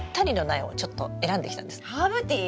ハーブティー？